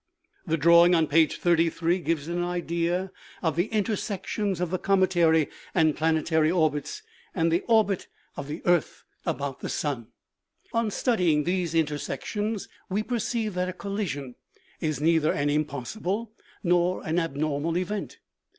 The drawing on page 33 gives an idea of the intersections of the cometary and planetary orbits, and the orbit of the 28 OMEGA. earth about the sun. On studying these intersections, we perceive that a collision is neither an impossible nor an abnormal event.